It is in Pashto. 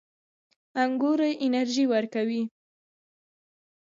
انګور انرژي ورکوي